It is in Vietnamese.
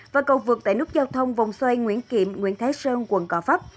và cầu vượt tại nút giao thông vòng xoay nguyễn kiệm nguyễn thái sơn quận cỏ pháp